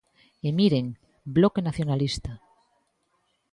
E miren, Bloque Nacionalista.